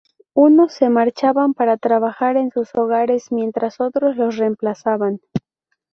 Unos se marchaban para trabajar en sus hogares, mientras otros los reemplazaban.